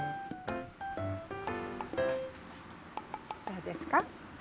どうですか？